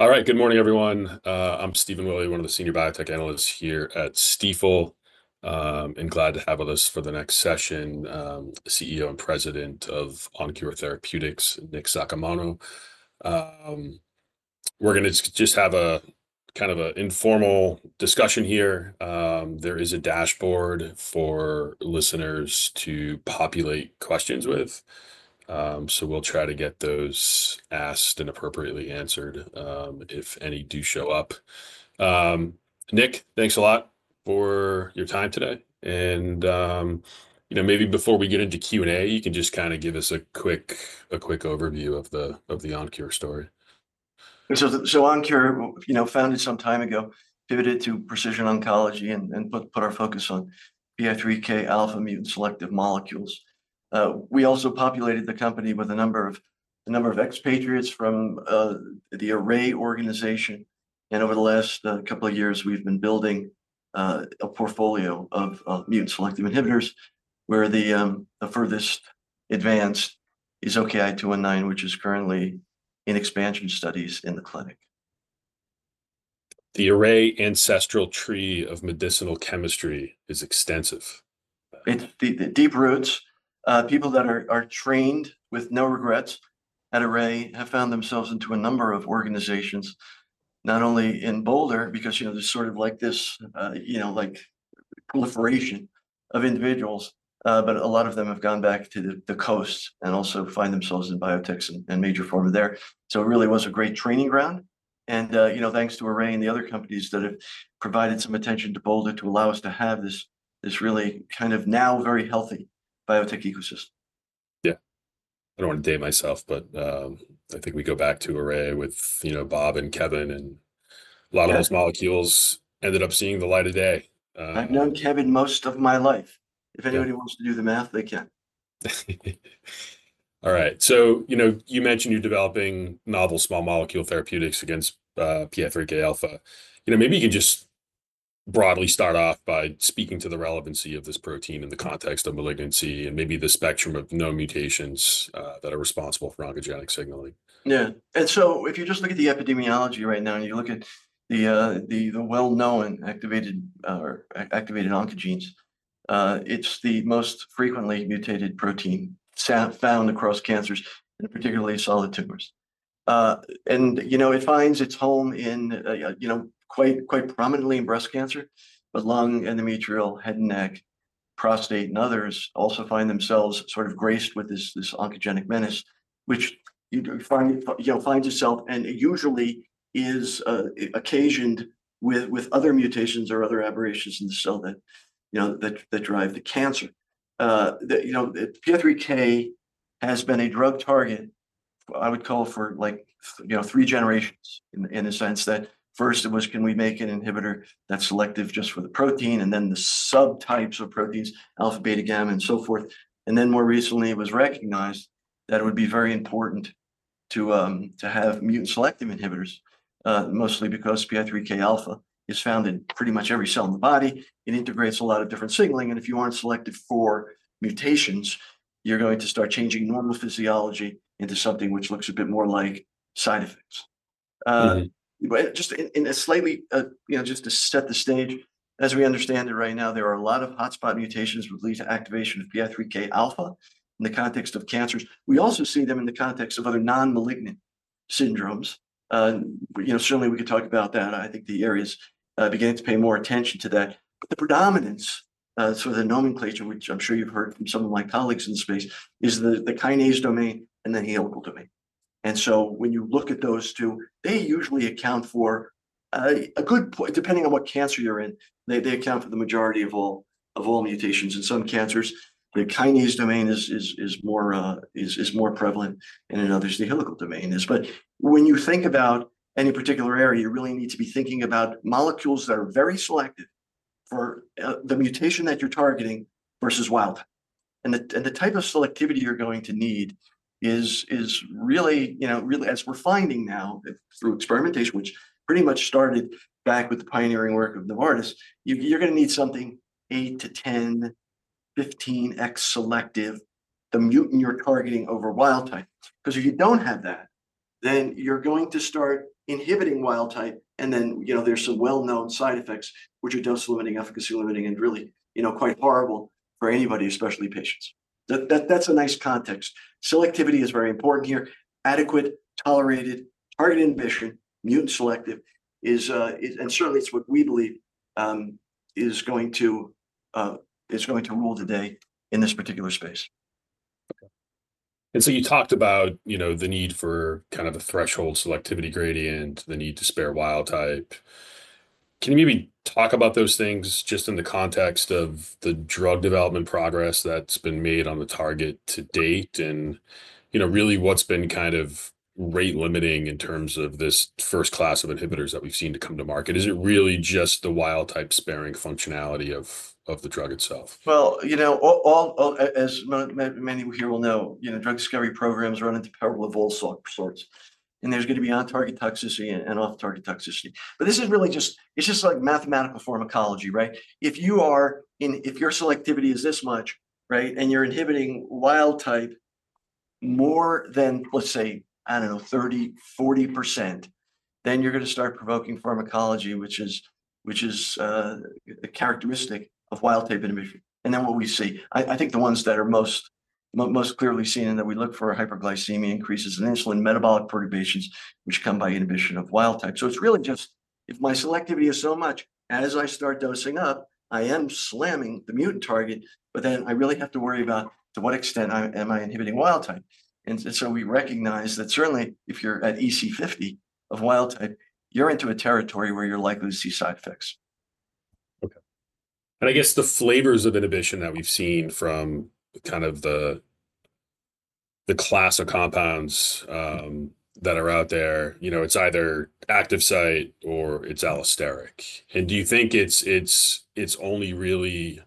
All right, good morning, everyone. I'm Stephen Willey, one of the senior biotech analysts here at Stifel, and glad to have with us for the next session, CEO and President of OnKure Therapeutics, Nick Saccomanno. We're going to just have a kind of an informal discussion here. There is a dashboard for listeners to populate questions with, so we'll try to get those asked and appropriately answered if any do show up. Nick, thanks a lot for your time today. Maybe before we get into Q&A, you can just kind of give us a quick overview of the OnKure story. OnKure founded some time ago, pivoted to precision oncology, and put our focus on PI3Kα mutant selective molecules. We also populated the company with a number of expatriates from the ARRAY organization. Over the last couple of years, we've been building a portfolio of mutant selective inhibitors, where the furthest advanced is OKI-219, which is currently in expansion studies in the clinic. The ARRAY ancestral tree of medicinal chemistry is extensive. It's deep roots. People that are trained with no regrets at ARRAY have found themselves into a number of organizations, not only in Boulder, because this is sort of like this proliferation of individuals, but a lot of them have gone back to the coast and also find themselves in biotechs and major pharma there. It really was a great training ground. Thanks to ARRAY and the other companies that have provided some attention to Boulder to allow us to have this really kind of now very healthy biotech ecosystem. Yeah. I do not want to date myself, but I think we go back to ARRAY with Bob and Kevin, and a lot of those molecules ended up seeing the light of day. I've known Kevin most of my life. If anybody wants to do the math, they can. All right. You mentioned you're developing novel small molecule therapeutics against PI3Kα. Maybe you can just broadly start off by speaking to the relevancy of this protein in the context of malignancy and maybe the spectrum of known mutations that are responsible for oncogenic signaling. Yeah. If you just look at the epidemiology right now and you look at the well-known activated oncogenes, it's the most frequently mutated protein found across cancers, and particularly solid tumors. It finds its home quite prominently in breast cancer, but lung, endometrial, head and neck, prostate, and others also find themselves sort of graced with this oncogenic menace, which finds itself and usually is occasioned with other mutations or other aberrations in the cell that drive the cancer. PI3Kα has been a drug target, I would call, for three generations in the sense that first it was, can we make an inhibitor that's selective just for the protein, and then the subtypes of proteins, alpha, beta, gamma, and so forth. More recently, it was recognized that it would be very important to have mutant selective inhibitors, mostly because PI3Kα is found in pretty much every cell in the body. It integrates a lot of different signaling. If you are not selective for mutations, you are going to start changing normal physiology into something which looks a bit more like side effects. Just to set the stage, as we understand it right now, there are a lot of hotspot mutations that lead to activation of PI3Kα in the context of cancers. We also see them in the context of other non-malignant syndromes. Certainly, we could talk about that. I think the area is beginning to pay more attention to that. The predominance, so the nomenclature, which I am sure you have heard from some of my colleagues in the space, is the kinase domain and the helical domain. When you look at those two, they usually account for a good, depending on what cancer you're in, they account for the majority of all mutations in some cancers. The kinase domain is more prevalent, and in others, the helical domain is. When you think about any particular area, you really need to be thinking about molecules that are very selective for the mutation that you're targeting versus wild. The type of selectivity you're going to need is really, as we're finding now through experimentation, which pretty much started back with the pioneering work of Novartis, you're going to need something 8-10, 15x selective, the mutant you're targeting over wild type. Because if you don't have that, then you're going to start inhibiting wild type, and then there's some well-known side effects, which are dose-limiting, efficacy-limiting, and really quite horrible for anybody, especially patients. That's a nice context. Selectivity is very important here. Adequate, tolerated, target inhibition, mutant selective, and certainly, it's what we believe is going to rule today in this particular space. You talked about the need for kind of a threshold selectivity gradient, the need to spare wild type. Can you maybe talk about those things just in the context of the drug development progress that's been made on the target to date and really what's been kind of rate limiting in terms of this first class of inhibitors that we've seen to come to market? Is it really just the wild type sparing functionality of the drug itself? As many here will know, drug discovery programs run into terrible of all sorts. There's going to be on-target toxicity and off-target toxicity. This is really just, it's just like mathematical pharmacology, right? If your selectivity is this much, and you're inhibiting wild type more than, let's say, I don't know, 30%-40%, then you're going to start provoking pharmacology, which is a characteristic of wild type inhibition. What we see, I think the ones that are most clearly seen and that we look for are hyperglycemia increases and insulin metabolic perturbations, which come by inhibition of wild type. It's really just, if my selectivity is so much, as I start dosing up, I am slamming the mutant target, but then I really have to worry about to what extent am I inhibiting wild type. We recognize that certainly, if you're at EC50 of wild type, you're into a territory where you're likely to see side effects. Okay. I guess the flavors of inhibition that we've seen from kind of the class of compounds that are out there, it's either active site or it's allosteric. Do you think it's only really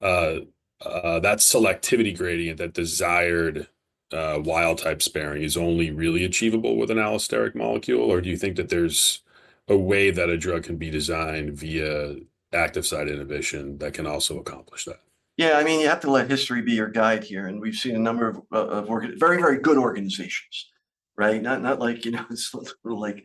that selectivity gradient, that desired wild type sparing is only really achievable with an allosteric molecule, or do you think that there's a way that a drug can be designed via active site inhibition that can also accomplish that? Yeah. I mean, you have to let history be your guide here. We've seen a number of very, very good organizations, right? Not like sort of like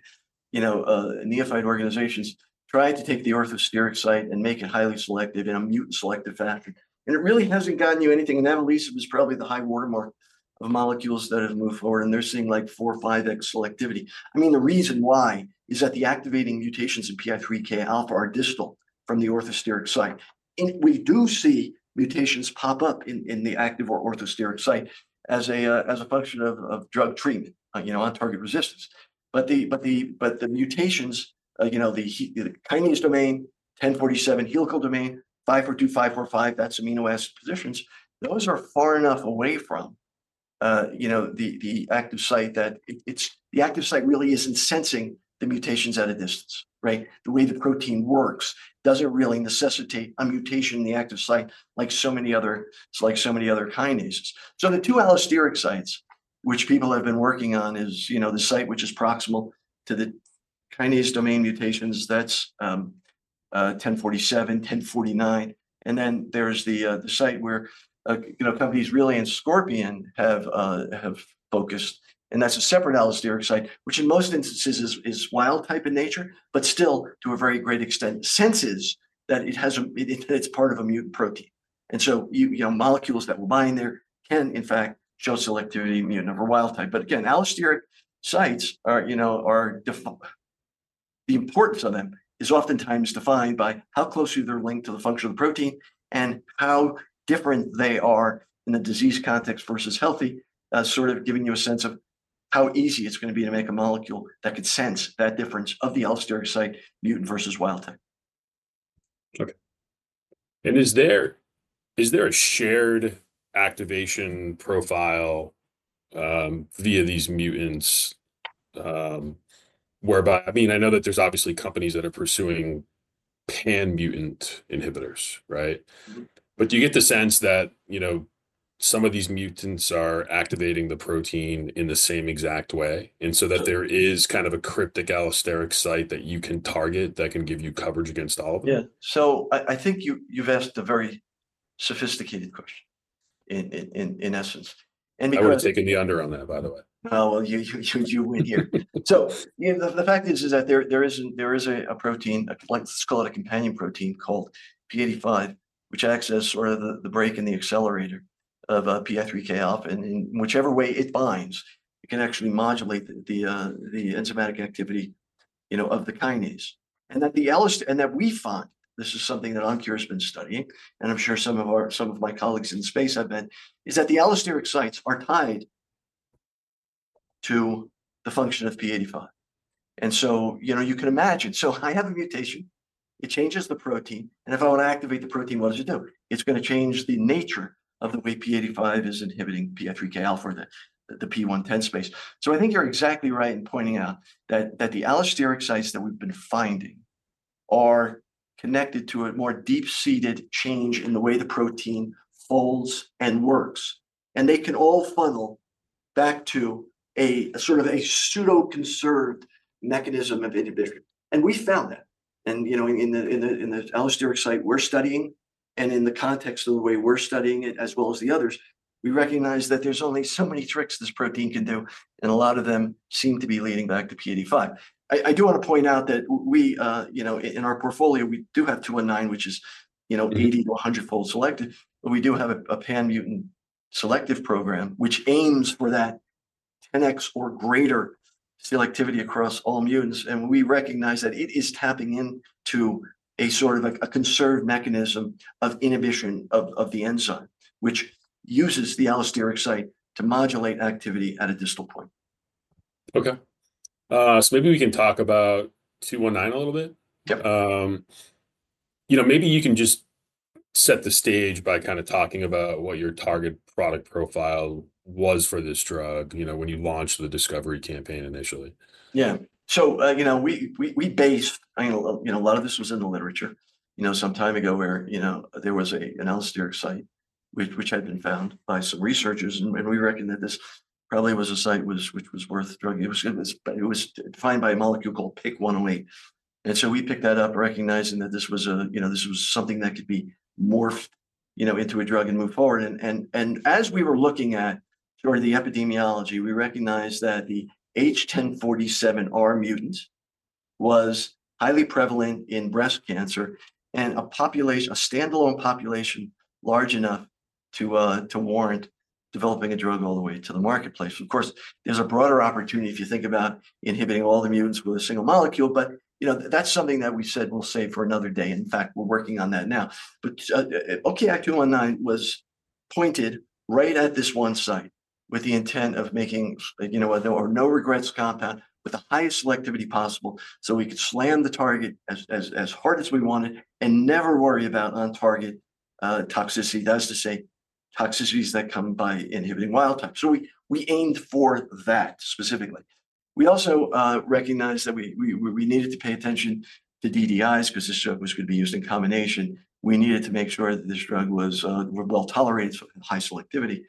neophyte organizations trying to take the orthosteric site and make it highly selective in a mutant selective fashion. It really hasn't gotten you anything. That at least was probably the high watermark of molecules that have moved forward, and they're seeing like 4-5x selectivity. I mean, the reason why is that the activating mutations in PI3Kα are distal from the orthosteric site. We do see mutations pop up in the active or orthosteric site as a function of drug treatment on target resistance. The mutations, the kinase domain, 1047, helical domain, 542, 545, that's amino acid positions, those are far enough away from the active site that the active site really isn't sensing the mutations at a distance, right? The way the protein works doesn't really necessitate a mutation in the active site like so many other kinases. The two allosteric sites, which people have been working on, is the site which is proximal to the kinase domain mutations, that's 1047, 1049. There is the site where companies, really in Scorpion, have focused. That's a separate allosteric site, which in most instances is wild type in nature, but still to a very great extent senses that it's part of a mutant protein. Molecules that will bind there can, in fact, show selectivity immune over wild type. Allosteric sites, the importance of them is oftentimes defined by how closely they're linked to the function of the protein and how different they are in a disease context versus healthy, sort of giving you a sense of how easy it's going to be to make a molecule that could sense that difference of the allosteric site mutant versus wild type. Okay. Is there a shared activation profile via these mutants whereby, I mean, I know that there's obviously companies that are pursuing pan-mutant inhibitors, right? Do you get the sense that some of these mutants are activating the protein in the same exact way and so that there is kind of a cryptic allosteric site that you can target that can give you coverage against all of them? Yeah. I think you've asked a very sophisticated question in essence. I would have taken the under on that, by the way. Oh, you win here. The fact is that there is a protein, let's call it a companion protein called p85, which acts as sort of the brake and the accelerator of PI3Kα. In whichever way it binds, it can actually modulate the enzymatic activity of the kinase. That we find, this is something that OnKure has been studying, and I'm sure some of my colleagues in the space have been, is that the allosteric sites are tied to the function of p85. You can imagine, I have a mutation, it changes the protein, and if I want to activate the protein, what does it do? It's going to change the nature of the way p85 is inhibiting PI3Kα in the p110 space. I think you're exactly right in pointing out that the allosteric sites that we've been finding are connected to a more deep-seated change in the way the protein folds and works. They can all funnel back to sort of a pseudo-conserved mechanism of inhibition. We found that. In the allosteric site we're studying, and in the context of the way we're studying it as well as the others, we recognize that there's only so many tricks this protein can do, and a lot of them seem to be leading back to p85. I do want to point out that in our portfolio, we do have 219, which is 80-100 fold selective. We do have a pan-mutant selective program, which aims for that 10x or greater selectivity across all mutants. We recognize that it is tapping into a sort of a conserved mechanism of inhibition of the enzyme, which uses the allosteric site to modulate activity at a distal point. Okay. Maybe we can talk about 219 a little bit. Maybe you can just set the stage by kind of talking about what your target product profile was for this drug when you launched the discovery campaign initially? Yeah. We based, I mean, a lot of this was in the literature some time ago where there was an allosteric site which had been found by some researchers. We reckoned that this probably was a site which was worth drug. It was defined by a molecule called PIC108. We picked that up recognizing that this was something that could be morphed into a drug and move forward. As we were looking at sort of the epidemiology, we recognized that the H1047R mutant was highly prevalent in breast cancer and a standalone population large enough to warrant developing a drug all the way to the marketplace. Of course, there is a broader opportunity if you think about inhibiting all the mutants with a single molecule, but that is something that we said we will save for another day. In fact, we are working on that now. OKI-219 was pointed right at this one site with the intent of making a no-regrets compound with the highest selectivity possible so we could slam the target as hard as we wanted and never worry about on-target toxicity, that is to say, toxicities that come by inhibiting wild type. We aimed for that specifically. We also recognized that we needed to pay attention to DDIs because this drug was going to be used in combination. We needed to make sure that this drug was well tolerated for high selectivity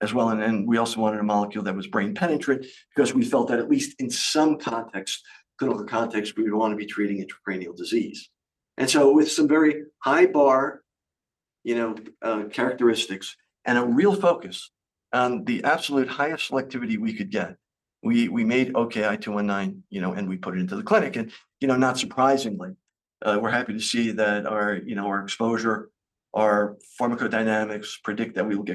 as well. We also wanted a molecule that was brain penetrant because we felt that at least in some context, clinical context, we would want to be treating intracranial disease. With some very high bar characteristics and a real focus on the absolute highest selectivity we could get, we made OKI-219 and we put it into the clinic. Not surprisingly, we're happy to see that our exposure, our pharmacodynamics predict that we will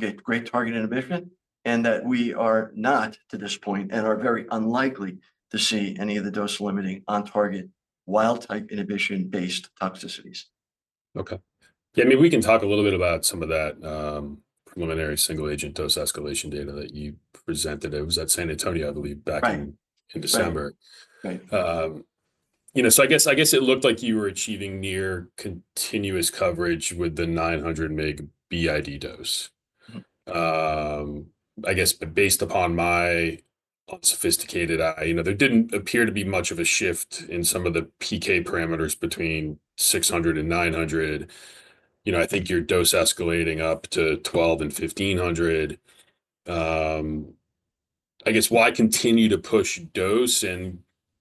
get great target inhibition and that we are not to this point and are very unlikely to see any of the dose-limiting on-target wild-type inhibition-based toxicities. Okay. Yeah. I mean, we can talk a little bit about some of that preliminary single-agent dose escalation data that you presented. It was at San Antonio, I believe, back in December. I guess it looked like you were achieving near continuous coverage with the 900 mg BID dose. I guess based upon my unsophisticated eye, there did not appear to be much of a shift in some of the PK parameters between 600 and 900. I think you are dose escalating up to 1,200 and 1,500. I guess, why continue to push dose?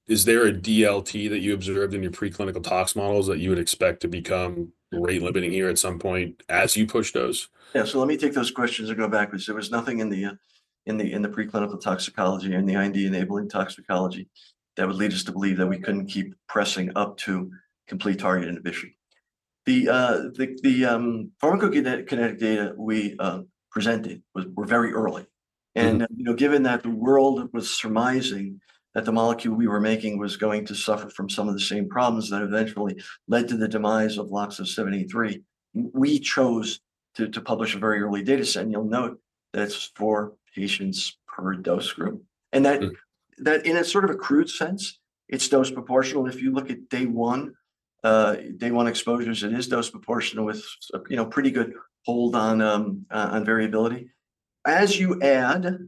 Is there a DLT that you observed in your preclinical tox models that you would expect to become rate limiting here at some point as you push dose? Yeah. Let me take those questions and go back. There was nothing in the preclinical toxicology or in the IND enabling toxicology that would lead us to believe that we could not keep pressing up to complete target inhibition. The pharmacokinetic data we presented were very early. Given that the world was surmising that the molecule we were making was going to suffer from some of the same problems that eventually led to the demise of LOXO-73, we chose to publish a very early data set. You will note that it is four patients per dose group. In a sort of a crude sense, it is dose proportional. If you look at day one, day one exposures, it is dose proportional with pretty good hold on variability. As you add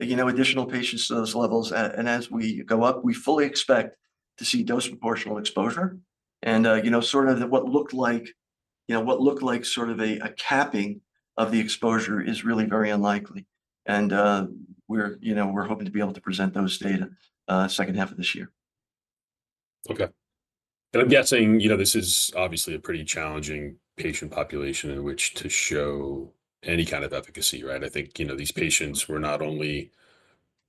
additional patients to those levels, and as we go up, we fully expect to see dose proportional exposure. What looked like sort of a capping of the exposure is really very unlikely. We are hoping to be able to present those data second half of this year. Okay. I'm guessing this is obviously a pretty challenging patient population in which to show any kind of efficacy, right? I think these patients were not only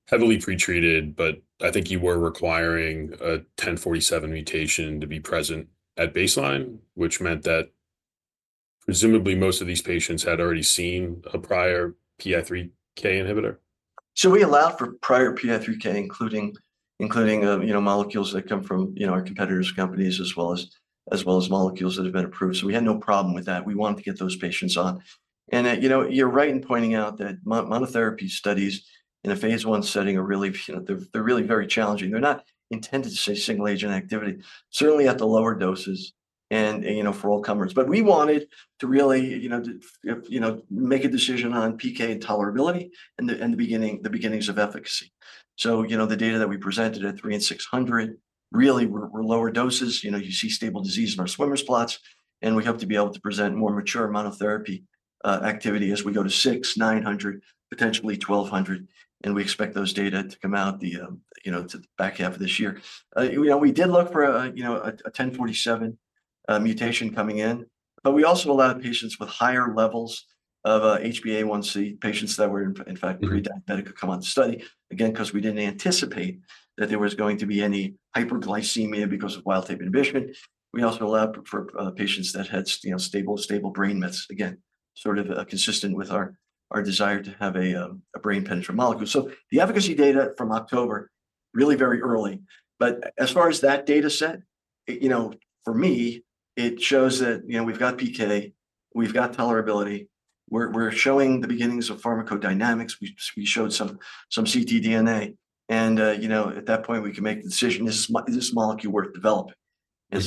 heavily pretreated, but I think you were requiring a 1047 mutation to be present at baseline, which meant that presumably most of these patients had already seen a prior PI3K inhibitor. We allowed for prior PI3K, including molecules that come from our competitors' companies as well as molecules that have been approved. We had no problem with that. We wanted to get those patients on. You're right in pointing out that monotherapy studies in a phase one setting are really very challenging. They're not intended to say single-agent activity, certainly at the lower doses and for all comers. We wanted to really make a decision on PK and tolerability in the beginnings of efficacy. The data that we presented at three and 600 really were lower doses. You see stable disease in our swimmer spots. We hope to be able to present more mature monotherapy activity as we go to six, 900, potentially 1200. We expect those data to come out the back half of this year. We did look for a 1047 mutation coming in, but we also allowed patients with higher levels of HbA1c, patients that were in fact prediabetic to come on the study. Again, because we did not anticipate that there was going to be any hyperglycemia because of wild-type inhibition. We also allowed for patients that had stable brain mets, again, sort of consistent with our desire to have a brain penetrant molecule. The efficacy data from October is really very early. As far as that data set, for me, it shows that we have got PK, we have got tolerability, we are showing the beginnings of pharmacodynamics, we showed some ctDNA. At that point, we can make the decision, is this molecule worth developing? In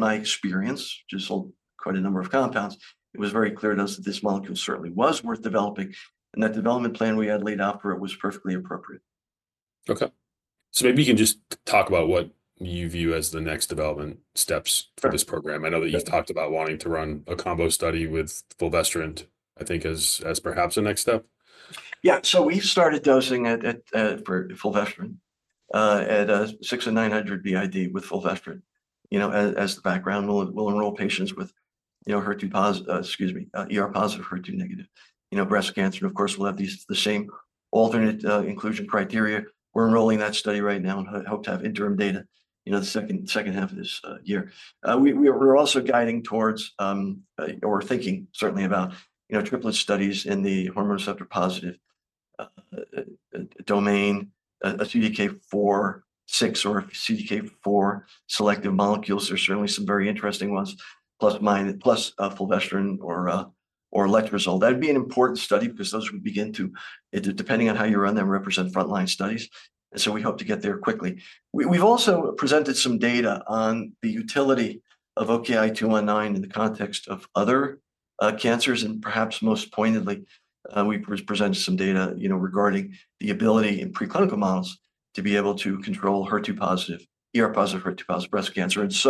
my experience, just quite a number of compounds, it was very clear to us that this molecule certainly was worth developing and that development plan we had laid out for it was perfectly appropriate. Okay. Maybe you can just talk about what you view as the next development steps for this program? I know that you've talked about wanting to run a combo study with fulvestrant, I think, as perhaps a next step. Yeah. We have started dosing at six and 900 BID with fulvestrant as the background. We will enroll patients with HER2 positive, excuse me, HER2 negative breast cancer. Of course, we will have the same alternate inclusion criteria. We are enrolling that study right now and hope to have interim data the second half of this year. We are also guiding towards or thinking certainly about triplet studies in the hormone receptor positive domain, a CDK4/6 or CDK4 selective molecules. There are certainly some very interesting ones, plus fulvestrant or letrozole. That would be an important study because those would begin to, depending on how you run them, represent frontline studies. We hope to get there quickly. We have also presented some data on the utility of OKI-219 in the context of other cancers. Perhaps most pointedly, we've presented some data regarding the ability in preclinical models to be able to control HER2 positive, positive HER2 positive breast cancer. That's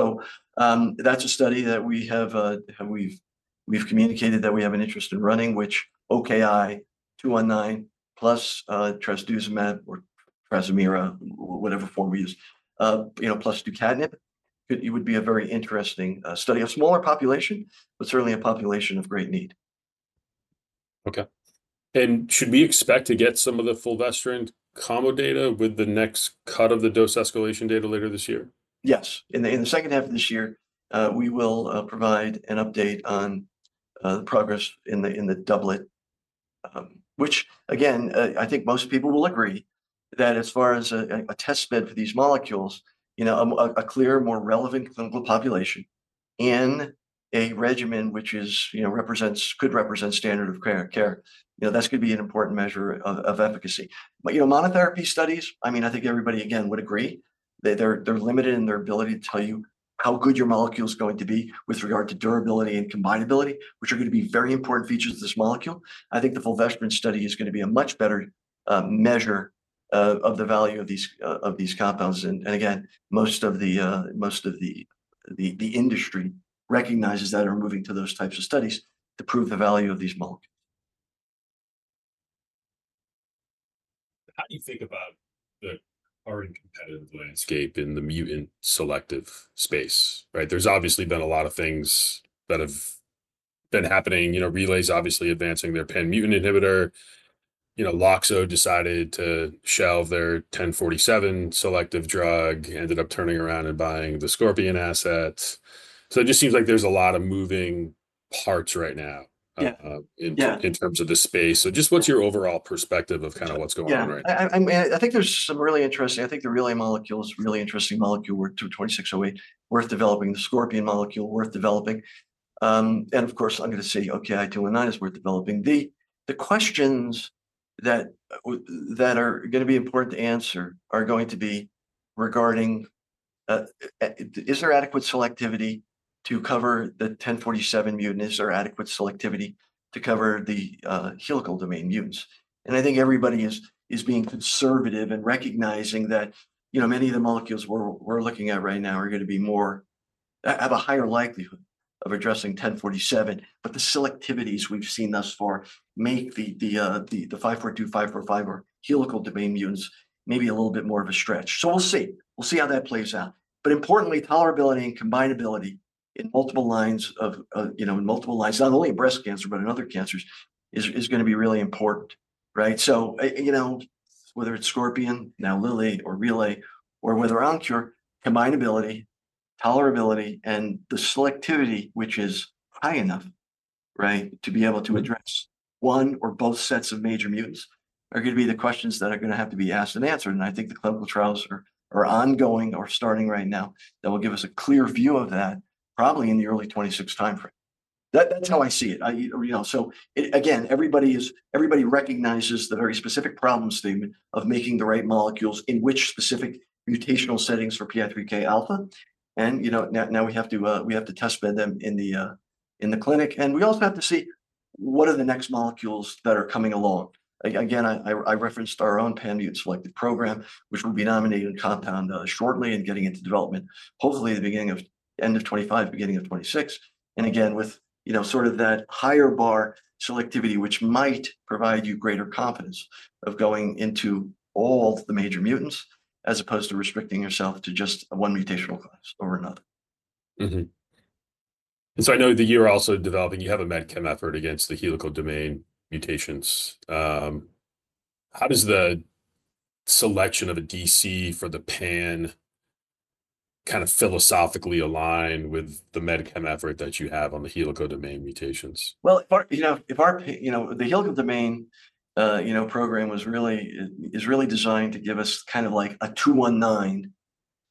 a study that we've communicated that we have an interest in running, which OKI-219 plus trastuzumab or trastuzumab, whatever form we use, plus tucatinib would be a very interesting study of a smaller population, but certainly a population of great need. Should we expect to get some of the fulvestrant combo data with the next cut of the dose escalation data later this year? Yes. In the second half of this year, we will provide an update on the progress in the doublet, which again, I think most people will agree that as far as a test bed for these molecules, a clear, more relevant clinical population in a regimen which could represent standard of care, that's going to be an important measure of efficacy. Monotherapy studies, I mean, I think everybody, again, would agree. They're limited in their ability to tell you how good your molecule is going to be with regard to durability and combineability, which are going to be very important features of this molecule. I think the fulvestrant study is going to be a much better measure of the value of these compounds. Again, most of the industry recognizes that and are moving to those types of studies to prove the value of these molecules. How do you think about the current competitive landscape in the mutant selective space, right? There has obviously been a lot of things that have been happening. Relay is obviously advancing their pan-mutant inhibitor. LOXO decided to shelve their 1047 selective drug, ended up turning around and buying the Scorpion asset. It just seems like there are a lot of moving parts right now in terms of the space. Just what's your overall perspective of kind of what's going on right now? Yeah. I mean, I think there's some really interesting, I think the Relay molecule is a really interesting molecule, RLY-2608, worth developing, the Scorpion molecule worth developing. And of course, I'm going to say OKI-219 is worth developing. The questions that are going to be important to answer are going to be regarding is there adequate selectivity to cover the 1047 mutant? Is there adequate selectivity to cover the helical domain mutants? I think everybody is being conservative and recognizing that many of the molecules we're looking at right now are going to have a higher likelihood of addressing 1047. The selectivities we've seen thus far make the 542, 545 or helical domain mutants maybe a little bit more of a stretch. We'll see. We'll see how that plays out. Importantly, tolerability and combineability in multiple lines, not only in breast cancer, but in other cancers, is going to be really important, right? Whether it's Scorpion, now Lilly, or Relay, or whether OnKure, combineability, tolerability, and the selectivity, which is high enough, right, to be able to address one or both sets of major mutants, are going to be the questions that are going to have to be asked and answered. I think the clinical trials are ongoing or starting right now that will give us a clear view of that probably in the early 2026 timeframe. That's how I see it. Again, everybody recognizes the very specific problem statement of making the right molecules in which specific mutational settings for PI3Kα. Now we have to test bed them in the clinic. We also have to see what are the next molecules that are coming along. Again, I referenced our own pan-mutant selective program, which will be nominated compound shortly and getting into development, hopefully the end of 2025, beginning of 2026. Again, with sort of that higher bar selectivity, which might provide you greater confidence of going into all the major mutants as opposed to restricting yourself to just one mutational class over another. I know you are also developing, you have a med chem effort against the helical domain mutations. How does the selection of a DC for the pan kind of philosophically align with the med chem effort that you have on the helical domain mutations? If the helical domain program is really designed to give us kind of like a 219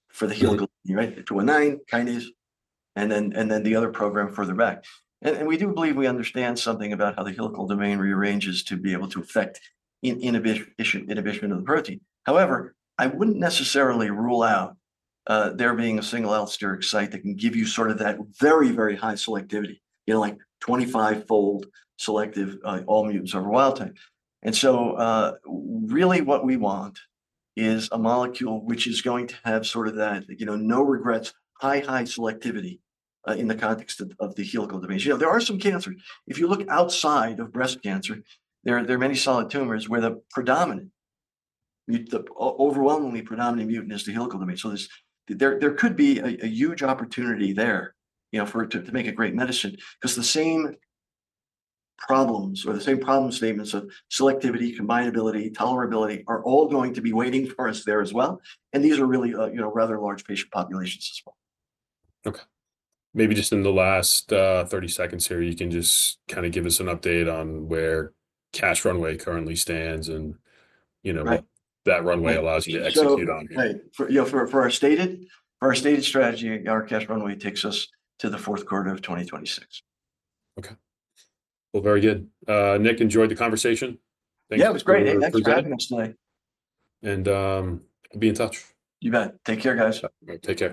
for the helical domain, right? 219, kinase, and then the other program further back. We do believe we understand something about how the helical domain rearranges to be able to affect inhibition of the protein. However, I would not necessarily rule out there being a single allosteric site that can give you sort of that very, very high selectivity, like 25-fold selective all mutants over wild-type. What we want is a molecule which is going to have sort of that no regrets, high, high selectivity in the context of the helical domain. There are some cancers. If you look outside of breast cancer, there are many solid tumors where the predominant, overwhelmingly predominant mutant is the helical domain. There could be a huge opportunity there to make a great medicine because the same problems or the same problem statements of selectivity, combineability, tolerability are all going to be waiting for us there as well. These are really rather large patient populations as well. Okay. Maybe just in the last 30 seconds here, you can just kind of give us an update on where cash runway currently stands and that runway allows you to execute on? For our stated strategy, our cash runway takes us to the fourth quarter of 2026. Okay. Very good. Nick, enjoyed the conversation. Thank you. Yeah, it was great. Thanks for having us today. Be in touch. You bet. Take care, guys. Take care.